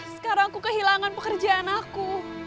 sekarang aku kehilangan pekerjaan aku